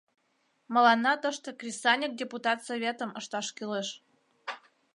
Мыланна тыште Кресаньык Депутат Советым ышташ кӱлеш.